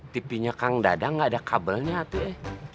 tipinya kang dada gak ada kabelnya teh